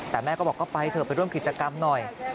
แต่แม่ก็บอกก็ไปเถอะไปร่วมกิจกรรมหน่อย